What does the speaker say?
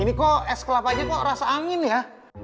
ini kok es kelapanya kok rasa angin ya